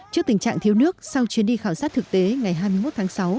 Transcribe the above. trước tình trạng thiếu nước sau chuyến đi khảo sát thực tế ngày hai mươi một tháng sáu